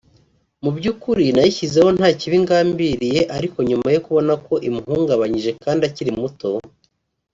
Mu by’ukuri nayishyizeho nta kibi ngambiriye ariko nyuma yo kubona ko imuhungabanyije kandi akiri muto